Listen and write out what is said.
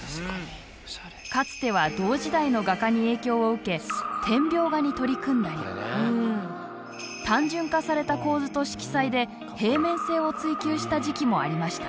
かつては同時代の画家に影響を受け点描画に取り組んだり単純化された構図と色彩で平面性を追求した時期もありました。